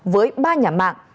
với ba nhà mạng